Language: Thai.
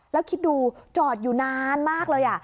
แล้วคิดดูจอดอยู่นานมากเลย